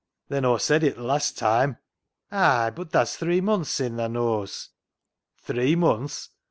Then Aw said it th' last toime." " Ay, bud that's three munths sin', thaa knows." " Three munths